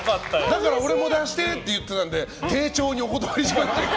俺も出してって言ってたので丁重にお断りしましたけど。